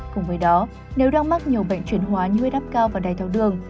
cùng với đó nếu đang mắc nhiều bệnh chuyển hóa như huyết áp cao và đầy thao đường